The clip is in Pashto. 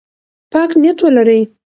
پاک نیت ولرئ.